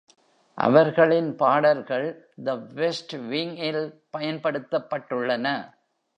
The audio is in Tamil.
அவர்களின் பாடல்கள் "The West Wingஇல்" பயன்படுத்தப்பட்டுள்ளன.